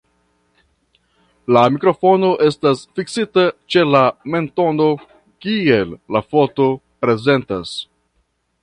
La mikrofono estas fiksita ĉe la mentono, kiel la foto prezentas.